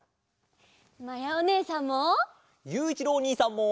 まやおねえさんも！